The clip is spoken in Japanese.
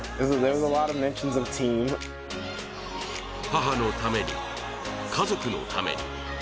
母のために、家族のために。